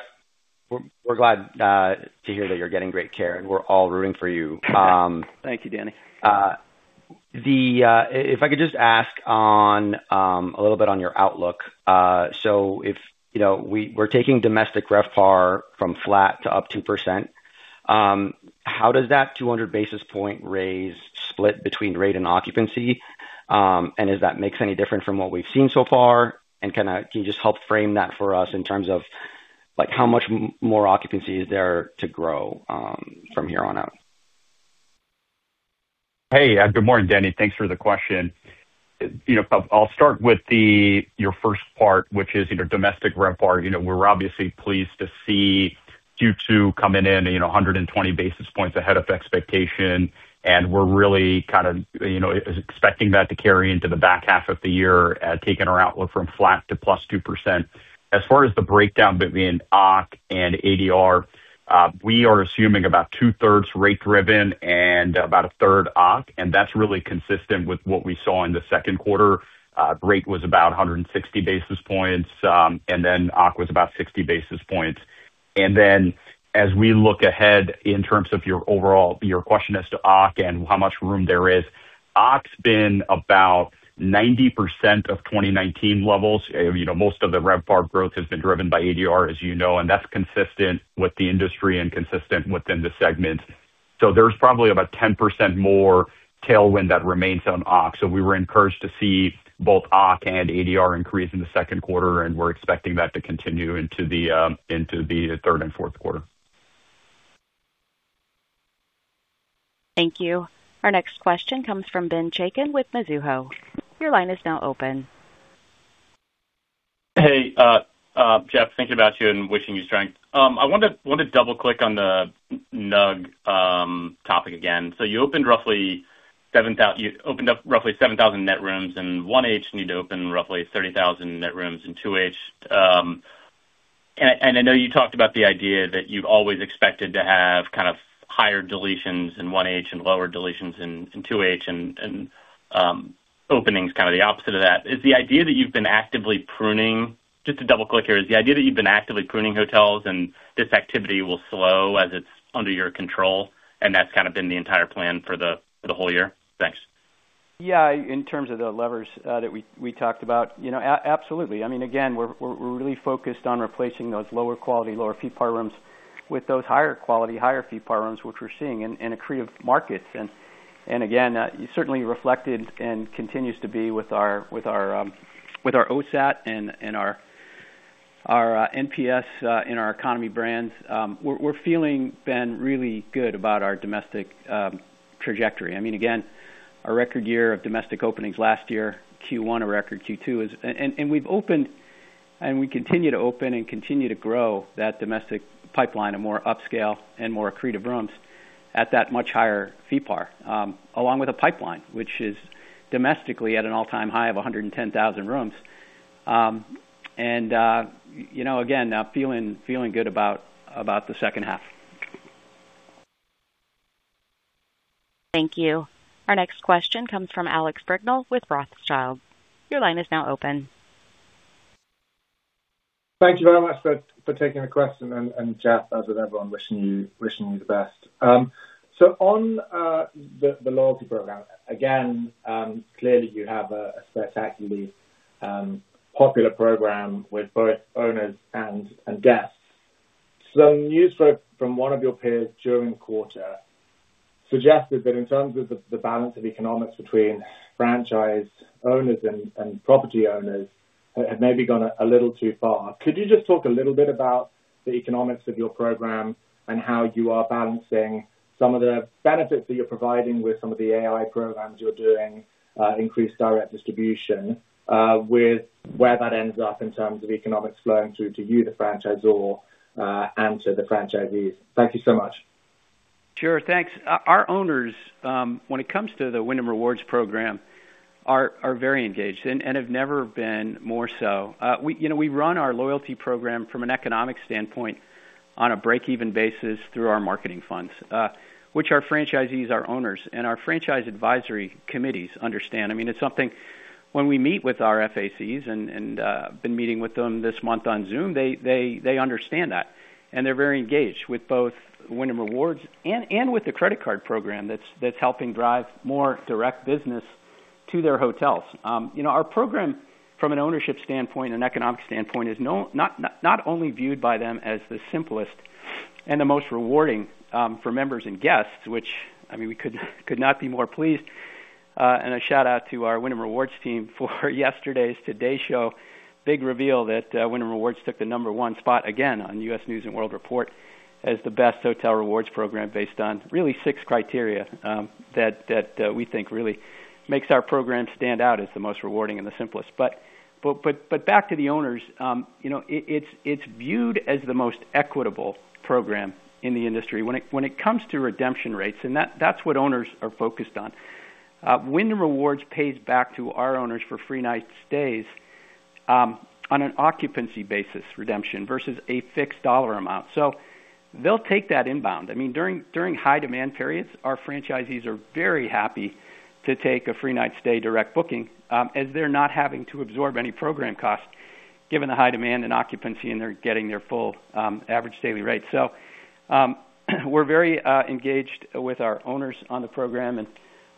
we're glad to hear that you're getting great care, and we're all rooting for you. Thank you, Dany. If I could just ask a little bit on your outlook. If we're taking domestic RevPAR from flat to up 2%, how does that 200 basis point raise split between rate and occupancy? If that makes any difference from what we've seen so far, can you just help frame that for us in terms of how much more occupancy is there to grow from here on out? Hey. Good morning, Dany. Thanks for the question. I'll start with your first part, which is domestic RevPAR. We're obviously pleased to see Q2 coming in 120 basis points ahead of expectation, and we're really kind of expecting that to carry into the back half of the year, taking our outlook from flat to +2%. As far as the breakdown between OCC and ADR, we are assuming about two-thirds rate driven and about a third OCC, and that's really consistent with what we saw in the second quarter. Rate was about 160 basis points. OCC was about 60 basis points. As we look ahead in terms of your question as to OCC and how much room there is, OCC's been about 90% of 2019 levels. Most of the RevPAR growth has been driven by ADR, as you know, and that's consistent with the industry and consistent within the segment. There's probably about 10% more tailwind that remains on OCC. We were encouraged to see both OCC and ADR increase in the second quarter, and we're expecting that to continue into the third and fourth quarter. Thank you. Our next question comes from Ben Chaiken with Mizuho. Your line is now open. Hey, Geoff. Thinking about you and wishing you strength. I want to double-click on the NUG topic again. You opened up roughly 7,000 net rooms in 1H and you'd opened roughly 30,000 net rooms in 2H. I know you talked about the idea that you've always expected to have kind of higher deletions in 1H and lower deletions in 2H, and openings kind of the opposite of that. Just to double-click here, is the idea that you've been actively pruning hotels and this activity will slow as it's under your control, and that's kind of been the entire plan for the whole year? Thanks. Yeah. In terms of the levers that we talked about, absolutely. Again, we're really focused on replacing those lower quality, lower FeePAR rooms with those higher quality, higher FeePAR rooms, which we're seeing in accretive markets. Again, certainly reflected and continues to be with our OSAT and our NPS in our economy brands. We're feeling, Ben, really good about our domestic trajectory. Again, our record year of domestic openings last year, Q1, a record Q2. We've opened and we continue to open and continue to grow that domestic pipeline of more upscale and more accretive rooms at that much higher FeePAR, along with a pipeline, which is domestically at an all-time high of 110,000 rooms. Again, feeling good about the second half. Thank you. Our next question comes from Alex Brignall with Rothschild. Your line is now open. Thank you very much for taking the question. Geoff, as with everyone, wishing you the best. On the loyalty program, again, clearly you have a spectacularly popular program with both owners and guests. Some news from one of your peers during the quarter suggested that in terms of the balance of economics between franchise owners and property owners had maybe gone a little too far. Could you just talk a little bit about the economics of your program and how you are balancing some of the benefits that you're providing with some of the AI programs you're doing, increased direct distribution, with where that ends up in terms of economics flowing through to you, the franchisor, and to the franchisees? Thank you so much. Sure. Thanks. Our owners, when it comes to the Wyndham Rewards program, are very engaged and have never been more so. We run our loyalty program from an economic standpoint on a break-even basis through our marketing funds, which our franchisees, our owners, and our franchise advisory committees understand. It's something when we meet with our FACs, and been meeting with them this month on Zoom, they understand that, and they're very engaged with both Wyndham Rewards and with the credit card program that's helping drive more direct business to their hotels. Our program from an ownership standpoint and economic standpoint is not only viewed by them as the simplest and the most rewarding for members and guests, which we could not be more pleased. A shout-out to our Wyndham Rewards team for yesterday's Today Show big reveal that Wyndham Rewards took the number one spot again on U.S. News & World Report as the best hotel rewards program based on really six criteria that we think really makes our program stand out as the most rewarding and the simplest. Back to the owners. It's viewed as the most equitable program in the industry. When it comes to redemption rates, and that's what owners are focused on, Wyndham Rewards pays back to our owners for free night stays on an occupancy basis redemption versus a fixed dollar amount. They'll take that inbound. During high demand periods, our franchisees are very happy to take a free night stay direct booking as they're not having to absorb any program cost given the high demand and occupancy, and they're getting their full average daily rate. We're very engaged with our owners on the program, and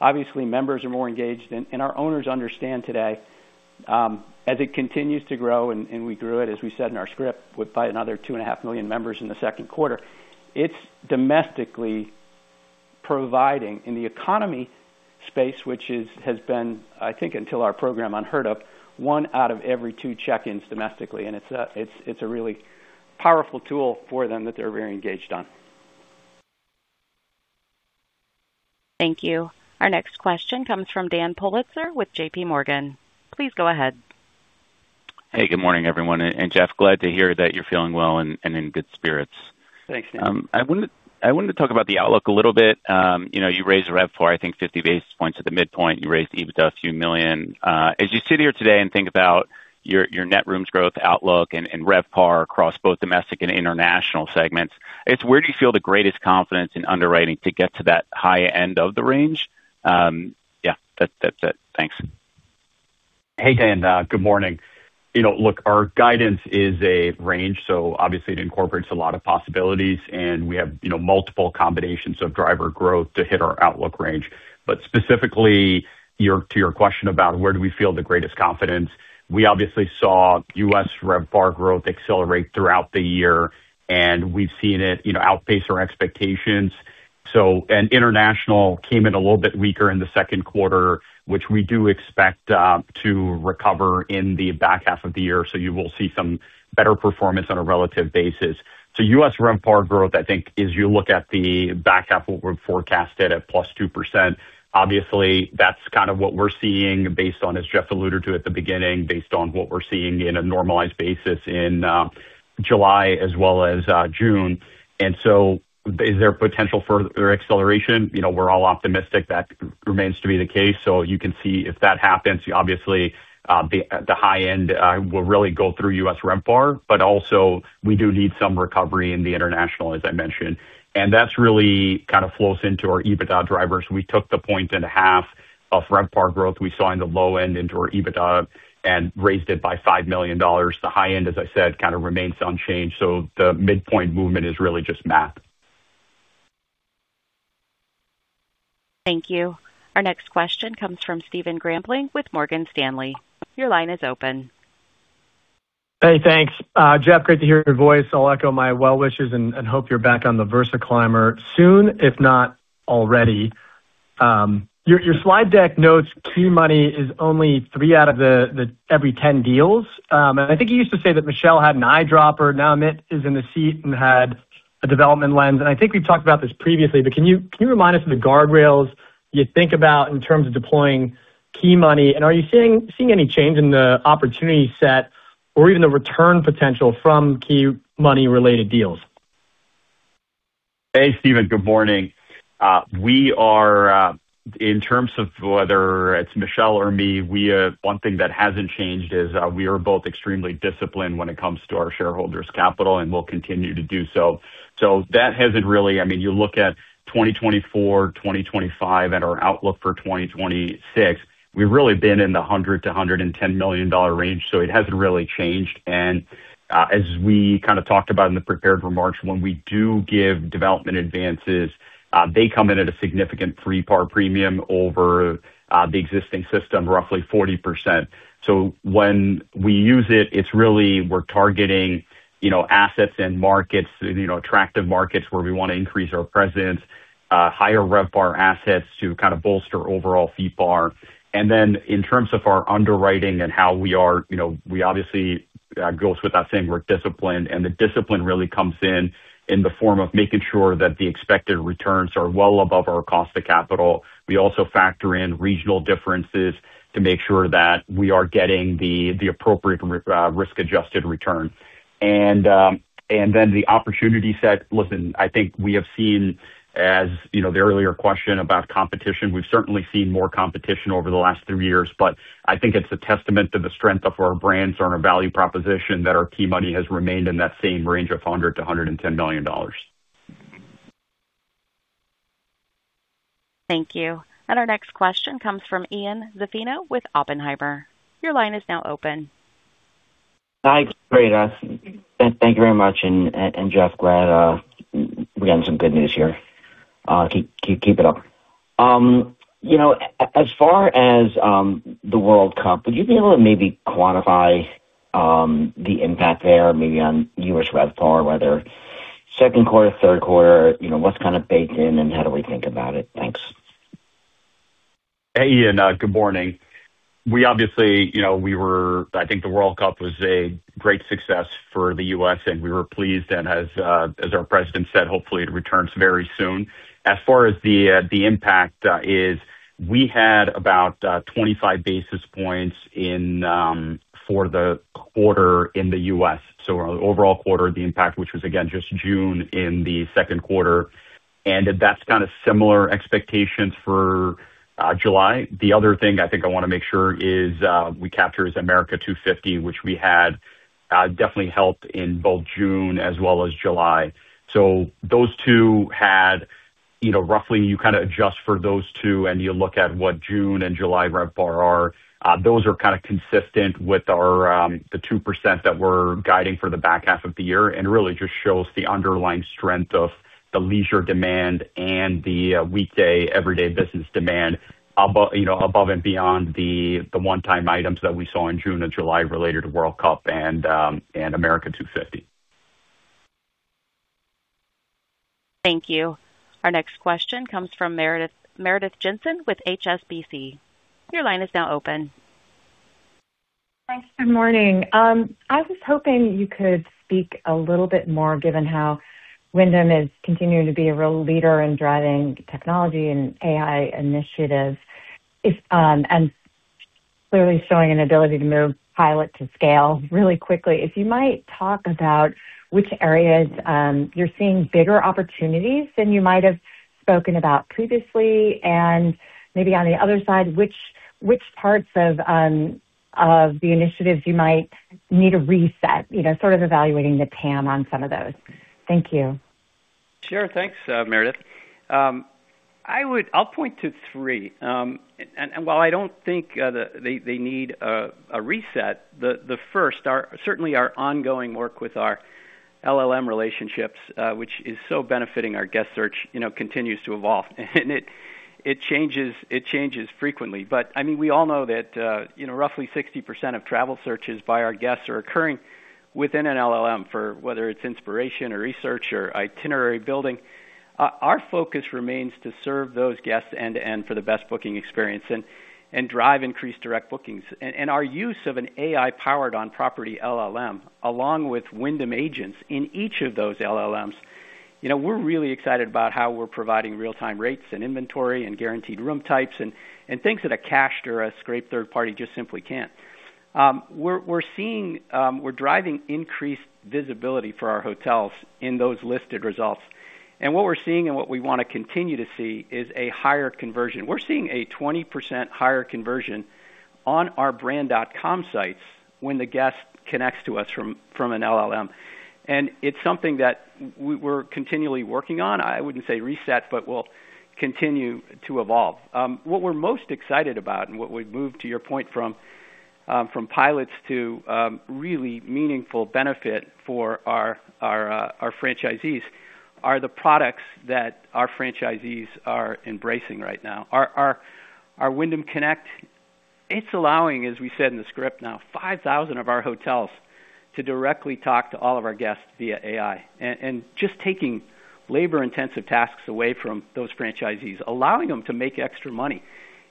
obviously, members are more engaged, and our owners understand today, as it continues to grow, and we grew it, as we said in our script, by another 2.5 million members in the second quarter. It's domestically providing in the economy space, which has been, I think, until our program unheard of, one out of every two check-ins domestically, and it's a really powerful tool for them that they're very engaged on. Thank you. Our next question comes from Dan Politzer with JPMorgan. Please go ahead. Hey, good morning, everyone. Geoff, glad to hear that you're feeling well and in good spirits. Thanks, Dan. I wanted to talk about the outlook a little bit. You raised the RevPAR, I think, 50 basis points at the midpoint. You raised EBITDA a few million. As you sit here today and think about your net rooms growth outlook and RevPAR across both domestic and international segments, it's where do you feel the greatest confidence in underwriting to get to that high end of the range? Yeah, that's it. Thanks. Hey, Dan. Good morning. Look, our guidance is a range, so obviously it incorporates a lot of possibilities, and we have multiple combinations of driver growth to hit our outlook range. Specifically to your question about where do we feel the greatest confidence, we obviously saw U.S. RevPAR growth accelerate throughout the year, and we've seen it outpace our expectations. International came in a little bit weaker in the second quarter, which we do expect to recover in the back half of the year. You will see some better performance on a relative basis. U.S. RevPAR growth, I think, as you look at the back half, what we've forecasted at +2%, obviously, that's kind of what we're seeing based on, as Geoff alluded to at the beginning, based on what we're seeing in a normalized basis in July as well as June. Is there potential for acceleration? We're all optimistic that remains to be the case. You can see if that happens, obviously, the high end will really go through U.S. RevPAR, but also we do need some recovery in the international, as I mentioned, and that's really kind of flows into our EBITDA drivers. We took the point and a half of RevPAR growth we saw in the low end into our EBITDA and raised it by $5 million. The high end, as I said, kind of remains unchanged. The midpoint movement is really just math. Thank you. Our next question comes from Stephen Grambling with Morgan Stanley. Your line is open. Hey, thanks. Geoff, great to hear your voice. I'll echo my well wishes and hope you're back on the VersaClimber soon, if not already. Your slide deck notes key money is only three out of every 10 deals. I think you used to say that Michele had an eye dropper. Amit is in the seat and had a development lens, I think we've talked about this previously, but can you remind us of the guardrails you think about in terms of deploying key money, and are you seeing any change in the opportunity set or even the return potential from key money related deals? Hey, Stephen. Good morning. In terms of whether it's Michele or me, one thing that hasn't changed is we are both extremely disciplined when it comes to our shareholders' capital, and we'll continue to do so. You look at 2024, 2025, and our outlook for 2026, we've really been in the $100 million-$110 million range. It hasn't really changed, and as we kind of talked about in the prepared remarks, when we do give development advances, they come in at a significant three-part premium over the existing system, roughly 40%. When we use it's really we're targeting assets and markets, attractive markets where we want to increase our presence, higher RevPAR assets to kind of bolster overall FeePAR. In terms of our underwriting and how we are, we obviously go without saying we're disciplined, and the discipline really comes in the form of making sure that the expected returns are well above our cost of capital. We also factor in regional differences to make sure that we are getting the appropriate risk-adjusted return. The opportunity set. Listen, I think we have seen as the earlier question about competition. We've certainly seen more competition over the last three years, but I think it's a testament to the strength of our brands and our value proposition that our key money has remained in that same range of $100 million-$110 million. Thank you. Our next question comes from Ian Zaffino with Oppenheimer. Your line is now open. Hi, great. Thank you very much. Geoff, glad we're getting some good news here. Keep it up. As far as the World Cup, would you be able to maybe quantify the impact there maybe on U.S. RevPAR, whether second quarter, third quarter, what's kind of baked in and how do we think about it? Thanks. Hey, Ian. Good morning. I think the World Cup was a great success for the U.S., we were pleased, as our president said, hopefully it returns very soon. As far as the impact is, we had about 25 basis points for the quarter in the U.S. Our overall quarter, the impact, which was again, just June in the second quarter. That's kind of similar expectations for July. The other thing I think I want to make sure is we capture is America 250, which we had definitely helped in both June as well as July. Those two had roughly, you kind of adjust for those two, and you look at what June and July RevPAR are. Those are kind of consistent with the 2% that we're guiding for the back half of the year, really just shows the underlying strength of the leisure demand and the weekday, everyday business demand above and beyond the one-time items that we saw in June and July related to World Cup and America 250. Thank you. Our next question comes from Meredith Jensen with HSBC. Your line is now open. Thanks. Good morning. I was hoping you could speak a little bit more, given how Wyndham is continuing to be a real leader in driving technology and AI initiatives, clearly showing an ability to move pilot to scale really quickly. You might talk about which areas you're seeing bigger opportunities than you might have spoken about previously, maybe on the other side, which parts of the initiatives you might need to reset, sort of evaluating the TAM on some of those. Thank you. Sure. Thanks, Meredith. I'll point to three. While I don't think they need a reset, the first are certainly our ongoing work with our LLM relationships, which is so benefiting our guest search, continues to evolve. It changes frequently. We all know that roughly 60% of travel searches by our guests are occurring within an LLM, for whether it's inspiration or research or itinerary building. Our focus remains to serve those guests end to end for the best booking experience and drive increased direct bookings. Our use of an AI powered on property LLM, along with Wyndham agents in each of those LLMs, we're really excited about how we're providing real-time rates and inventory and guaranteed room types and things that a cached or a scraped third party just simply can't. We're driving increased visibility for our hotels in those listed results. What we're seeing and what we want to continue to see is a higher conversion. We're seeing a 20% higher conversion on our brand.com sites when the guest connects to us from an LLM. It's something that we're continually working on. I wouldn't say reset, but we'll continue to evolve. What we're most excited about and what we've moved, to your point, from pilots to really meaningful benefit for our franchisees are the products that our franchisees are embracing right now. Our Wyndham Connect, it's allowing, as we said in the script now, 5,000 of our hotels to directly talk to all of our guests via AI, just taking labor intensive tasks away from those franchisees, allowing them to make extra money.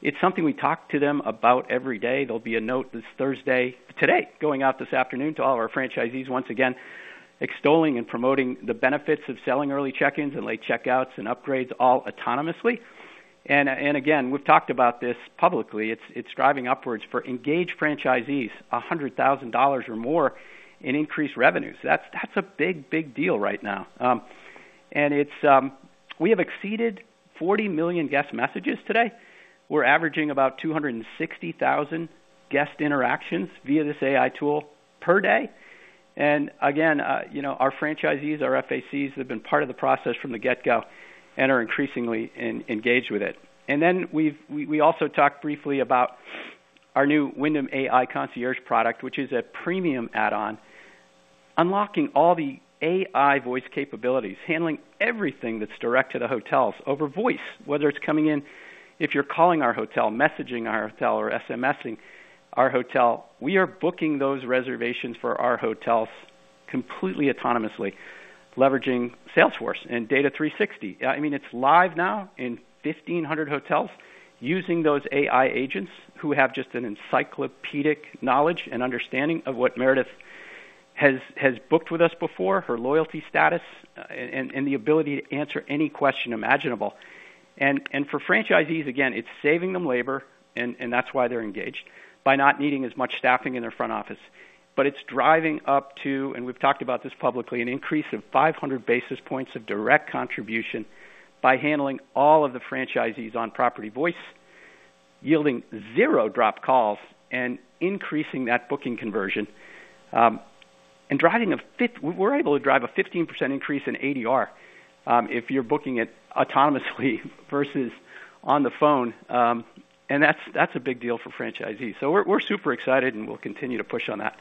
It's something we talk to them about every day. There'll be a note this Thursday, today, going out this afternoon to all of our franchisees, once again, extolling and promoting the benefits of selling early check-ins and late check-outs and upgrades all autonomously. Again, we've talked about this publicly. It's driving upwards for engaged franchisees, $100,000 or more in increased revenues. That's a big deal right now. We have exceeded 40 million guest messages today. We're averaging about 260,000 guest interactions via this AI tool per day. Again, our franchisees, our FACs, have been part of the process from the get-go and are increasingly engaged with it. We also talked briefly about our new Wyndham AI Concierge product, which is a premium add-on, unlocking all the AI voice capabilities, handling everything that's direct to the hotels over voice, whether it's coming in, if you're calling our hotel, messaging our hotel, or SMSing our hotel, we are booking those reservations for our hotels completely autonomously, leveraging Salesforce and Data 360. It's live now in 1,500 hotels using those AI agents who have just an encyclopedic knowledge and understanding of what Meredith has booked with us before, her loyalty status, and the ability to answer any question imaginable. For franchisees, again, it's saving them labor, and that's why they're engaged, by not needing as much staffing in their front office. It's driving up to, and we've talked about this publicly, an increase of 500 basis points of direct contribution by handling all of the franchisees on property voice, yielding zero dropped calls and increasing that booking conversion. We're able to drive a 15% increase in ADR, if you're booking it autonomously versus on the phone. That's a big deal for franchisees. We're super excited, and we'll continue to push on that.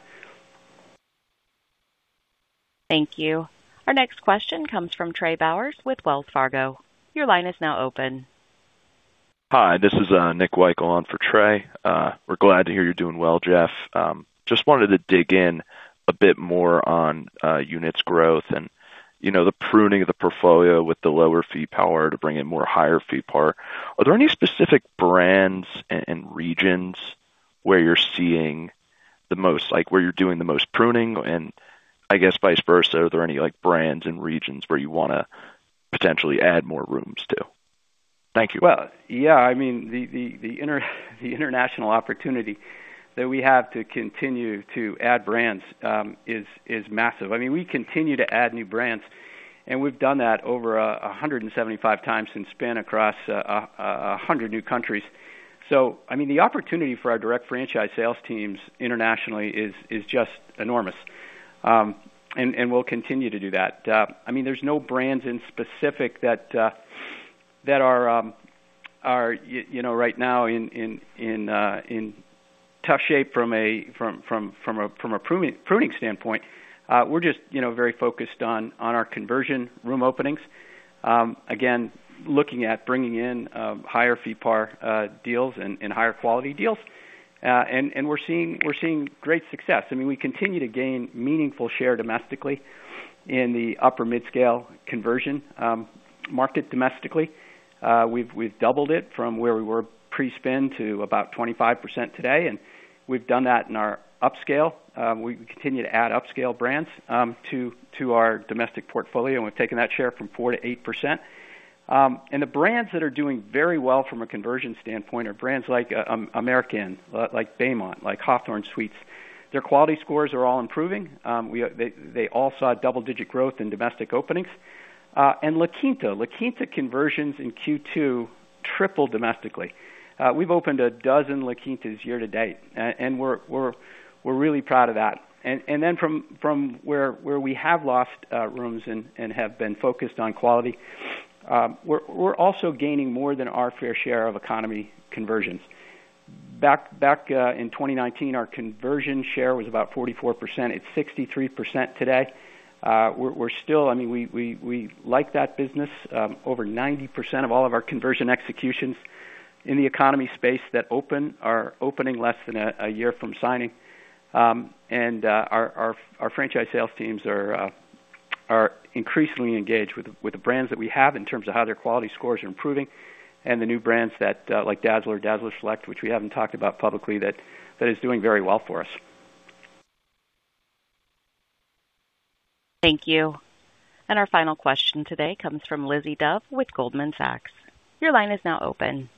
Thank you. Our next question comes from Trey Bowers with Wells Fargo. Your line is now open. Hi, this is Nick Weikel on for Trey. We're glad to hear you're doing well, Geoff. Just wanted to dig in a bit more on units growth and the pruning of the portfolio with the lower FeePAR to bring in more higher FeePAR. Are there any specific brands and regions where you're seeing the most, like where you're doing the most pruning and I guess vice versa, are there any brands and regions where you want to potentially add more rooms to? Thank you. Well, yeah. The international opportunity that we have to continue to add brands is massive. We continue to add new brands, and we've done that over 175 times since spin across 100 new countries. The opportunity for our direct franchise sales teams internationally is just enormous. We'll continue to do that. There's no brands in specific that are right now in tough shape from a pruning standpoint. We're just very focused on our conversion room openings. Again, looking at bringing in higher FeePAR deals and higher quality deals. We're seeing great success. We continue to gain meaningful share domestically in the upper midscale conversion market domestically. We've doubled it from where we were pre-spin to about 25% today, and we've done that in our upscale. We continue to add upscale brands to our domestic portfolio, and we've taken that share from 4%-8%. The brands that are doing very well from a conversion standpoint are brands like AmericInn, like Baymont, like Hawthorn Suites. Their quality scores are all improving. They all saw double-digit growth in domestic openings. La Quinta. La Quinta conversions in Q2 tripled domestically. We've opened a dozen La Quintas year-to-date, and we're really proud of that. From where we have lost rooms and have been focused on quality, we're also gaining more than our fair share of economy conversions. Back in 2019, our conversion share was about 44%. It's 63% today. We like that business. Over 90% of all of our conversion executions in the economy space that open are opening less than a year from signing. Our franchise sales teams are increasingly engaged with the brands that we have in terms of how their quality scores are improving and the new brands like Dazzler Select, which we haven't talked about publicly, that is doing very well for us. Thank you. Our final question today comes from Lizzie Dove with Goldman Sachs. Your line is now open.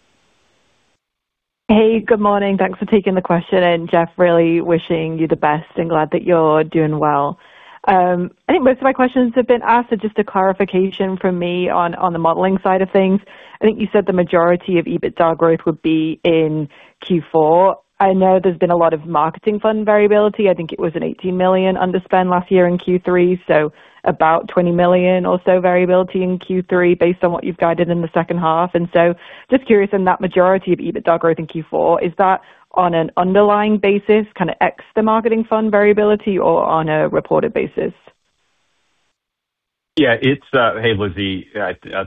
Hey, good morning. Thanks for taking the question. Geoff, really wishing you the best and glad that you're doing well. I think most of my questions have been asked, so just a clarification from me on the modeling side of things. I think you said the majority of EBITDA growth would be in Q4. I know there's been a lot of marketing fund variability. I think it was an $18 million underspend last year in Q3, so about $20 million or so variability in Q3 based on what you've guided in the second half. Just curious on that majority of EBITDA growth in Q4, is that on an underlying basis, kind of ex the marketing fund variability or on a reported basis? Yeah. Hey, Lizzie.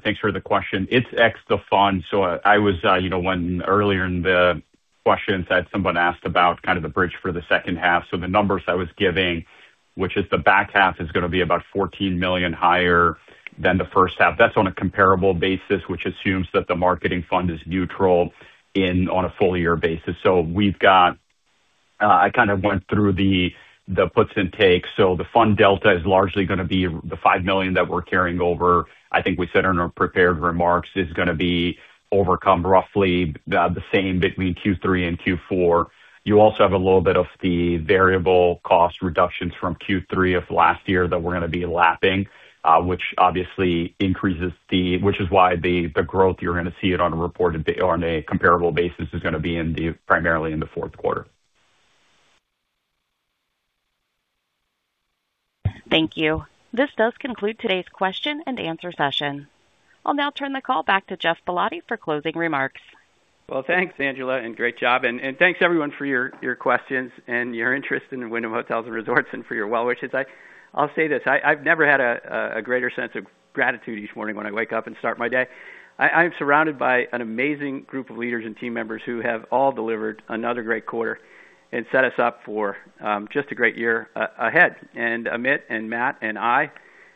Thanks for the question. It's ex the fund. Earlier in the questions, I had someone ask about kind of the bridge for the second half. The numbers I was giving, which is the back half, is going to be about $14 million higher than the first half. That's on a comparable basis, which assumes that the marketing fund is neutral on a full year basis. I kind of went through the puts and takes. The fund delta is largely going to be the $5 million that we're carrying over. I think we said in our prepared remarks, it's going to be overcome roughly the same between Q3 and Q4. You also have a little bit of the variable cost reductions from Q3 of last year that we're going to be lapping, which is why the growth you're going to see on a comparable basis is going to be primarily in the fourth quarter. Thank you. This does conclude today's question and answer session. I'll now turn the call back to Geoff Ballotti for closing remarks. Well, thanks, Angela, and great job. Thanks everyone for your questions and your interest in Wyndham Hotels & Resorts and for your well wishes. I'll say this, I've never had a greater sense of gratitude each morning when I wake up and start my day. I am surrounded by an amazing group of leaders and team members who have all delivered another great quarter and set us up for just a great year ahead. Amit and Matt and I,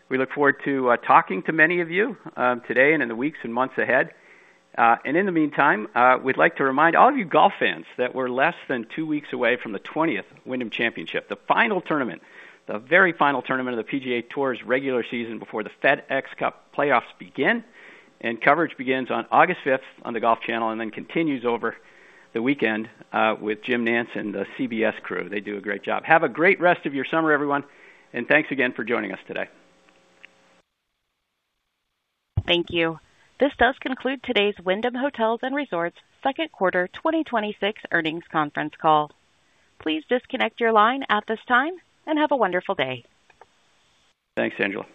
we look forward to talking to many of you today and in the weeks and months ahead. In the meantime, we'd like to remind all of you golf fans that we're less than two weeks away from the 20th Wyndham Championship, the final tournament, the very final tournament of the PGA Tour's regular season before the FedEx Cup playoffs begin. Coverage begins on August 5th on the Golf Channel and then continues over the weekend with Jim Nantz and the CBS crew. They do a great job. Have a great rest of your summer, everyone, and thanks again for joining us today. Thank you. This does conclude today's Wyndham Hotels & Resorts second quarter 2026 earnings conference call. Please disconnect your line at this time and have a wonderful day. Thanks, Angela.